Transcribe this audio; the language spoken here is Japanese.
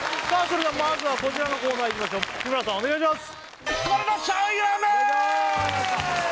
それではまずはこちらのコーナーいきましょう日村さんお願いします！